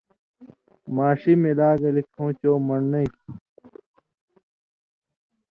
ماݜی ملا گلے کھٶں چو من٘ڑنئی تُھو۔